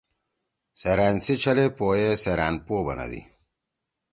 سیرأن سی چھلے پو ئے سیرأن پو بنَدی۔